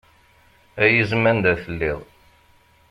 Ay izem anda telliḍ.